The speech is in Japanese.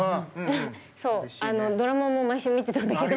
そうドラマも毎週見てたんだけど。